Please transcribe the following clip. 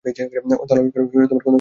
তালাশ করেও তার কোন সন্ধান পাওয়া গেল না।